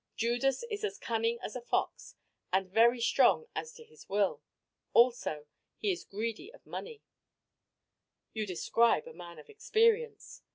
Judas is as cunning as a fox, and very strong as to his will. Also, he is greedy of money " "You describe a man of experience."